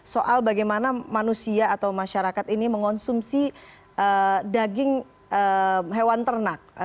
soal bagaimana manusia atau masyarakat ini mengonsumsi daging hewan ternak